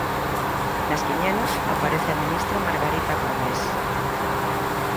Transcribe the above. Nas quinielas aparece a ministra Margarita Robles.